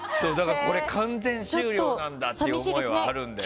完全終了なんだっていう思いはあるよね。